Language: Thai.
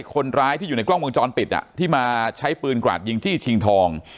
คนร้ายที่อยู่ในกล้องวงจรปิดที่มาใช้ปืนกราดยิงจี้ชิงทอง